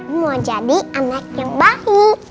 aku mau jadi anak yang bayi